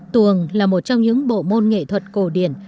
tuồng là một trong những bộ môn nghệ thuật cổ điển